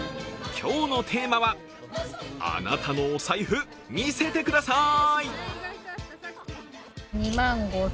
今日のテーマはあなたのお財布、見せてください！